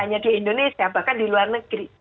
hanya di indonesia bahkan di luar negeri